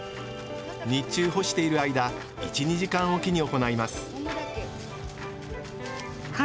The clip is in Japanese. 日中干している間１２時間おきに行います